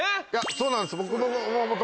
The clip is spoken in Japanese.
そうなんです。